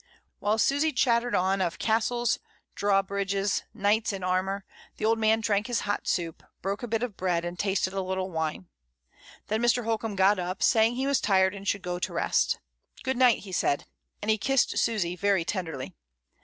While Susy chattered on of castles, drawbridges, knights in armour, the old man drank his hot soup, broke a bit of bread, and tasted a little wine. Then Mr. Holcombe got up, saying he was tired and should go to rest. "Good night," he said, and he kissed Susy very tenderly.